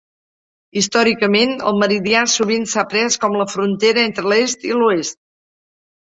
Històricament, el meridià sovint s'ha pres com la frontera entre l'est i l'oest.